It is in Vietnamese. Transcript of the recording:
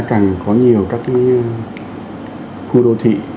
càng có nhiều các khu đô thị